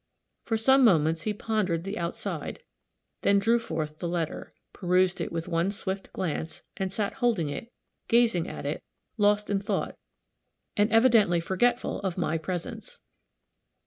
For some moments he pondered the outside, then drew forth the letter, perused it with one swift glance, and sat holding it, gazing at it, lost in thought, and evidently forgetful of my presence.